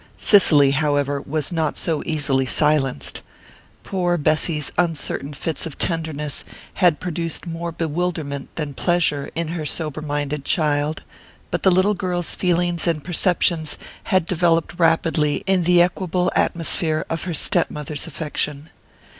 Cicely, however, was not so easily silenced. Poor Bessy's uncertain fits of tenderness had produced more bewilderment than pleasure in her sober minded child; but the little girl's feelings and perceptions had developed rapidly in the equable atmosphere of her step mother's affection.